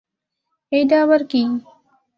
এইডা আবার কী!